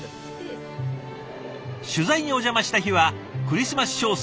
取材にお邪魔した日はクリスマス商戦